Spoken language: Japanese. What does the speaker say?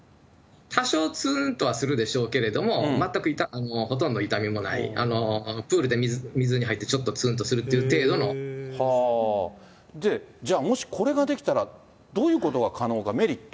多少、つーんとはするでしょうけれども、全く、痛みもない、プールで水に入ってちょっとつーんとするっていう程じゃあ、もしこれができたら、どういうことが可能か、メリット。